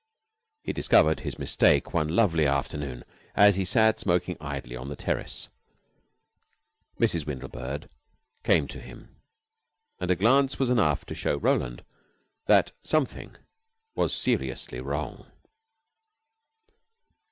He discovered his mistake one lovely afternoon as he sat smoking idly on the terrace. Mrs. Windlebird came to him, and a glance was enough to show Roland that something was seriously wrong.